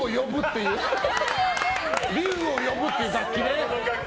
で、竜を呼ぶっていう楽器ね。